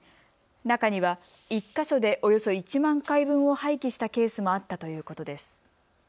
中には１か所でおよそ１万回分を廃棄したケースもあったということです。